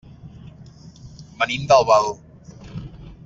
Venim d'Albal.